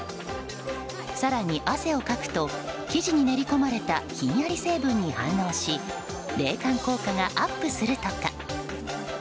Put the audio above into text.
更に汗をかくと生地に練り込まれたひんやり成分に反応し冷感効果がアップするとか。